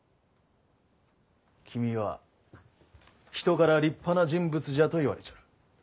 君は人から立派な人物じゃと言われちょる。